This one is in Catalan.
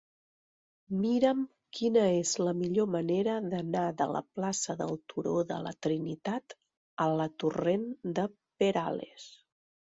Mira'm quina és la millor manera d'anar de la plaça del Turó de la Trinitat a la torrent de Perales.